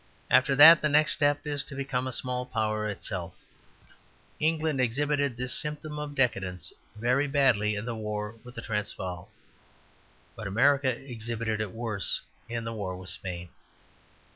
After that, the next step is to become a small power itself. England exhibited this symptom of decadence very badly in the war with the Transvaal; but America exhibited it worse in the war with Spain.